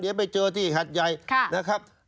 เดี๋ยวไปเจอที่หัดใหญ่นะครับ